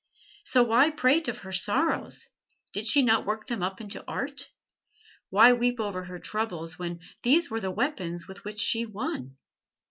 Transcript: So why prate of her sorrows! Did she not work them up into art? Why weep over her troubles when these were the weapons with which she won?